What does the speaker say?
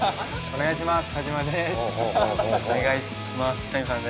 お願いします！